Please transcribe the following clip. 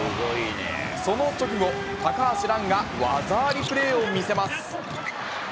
その直後、高橋藍が技ありプレーを見せます。